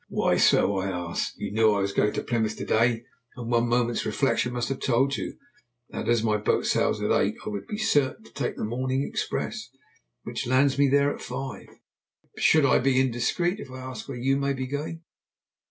"Why so?" I asked. "You knew I was going to Plymouth to day, and one moment's reflection must have told you, that as my boat sails at eight, I would be certain to take the morning express, which lands me there at five. Should I be indiscreet if I asked where you may be going?"